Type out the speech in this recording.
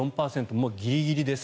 もうギリギリです。